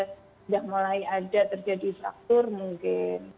sudah mulai ada terjadi struktur mungkin